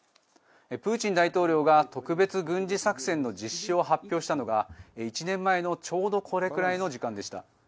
プーチン大統領が特別軍事作戦の実施を発表したのが１年前のちょうどこれくらいの時間でした。